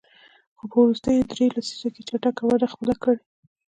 خو په وروستیو دریوو لسیزو کې یې چټکه وده خپله کړې.